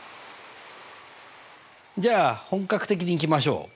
じゃあ本格的にいきましょう！